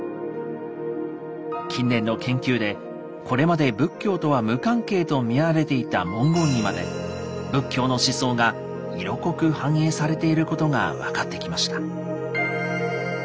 近年の研究でこれまで仏教とは無関係と見られていた文言にまで仏教の思想が色濃く反映されていることが分かってきました。